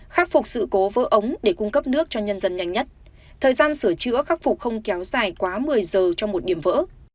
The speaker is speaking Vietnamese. khắc phục sự cố vỡ ống để cung cấp nước cho nhân dân nhanh nhất thời gian sửa chữa khắc phục không kéo dài quá một mươi giờ cho một điểm vỡ